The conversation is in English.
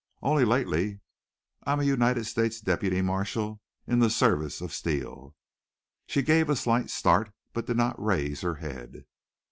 "Only lately. I am a United States deputy marshal in the service of Steele." She gave a slight start, but did not raise her head.